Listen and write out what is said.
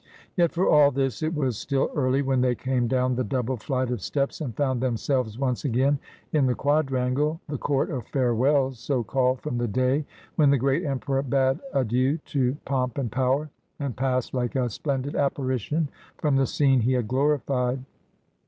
Yet for all this it was still early when they came down the double flight of steps and found themselves once again in the quadrangle, the Court of Farewells, so called from the day when the great emperor bade adieu to pomp and power, and passed like a splendid apparition from the scene he had glorified.